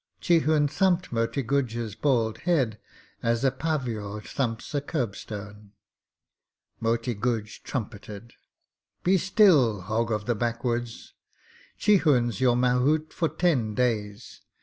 Chihun thumped Moti Guj's bald head as a paviour thumps a kerbstone. Moti Guj trumpeted. 'Be still, hog of the backwoods. Chihun's your mahout for ten days.